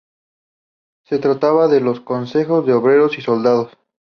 Se trataba de los "Consejos de Obreros y Soldados".